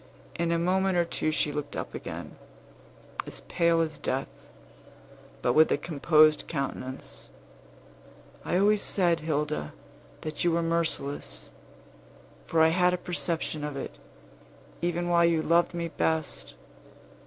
In a moment or two she looked up again, as pale as death, but with a composed countenance: "I always said, Hilda, that you were merciless; for I had a perception of it, even while you loved me best.